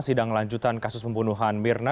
sidang lanjutan kasus pembunuhan mirna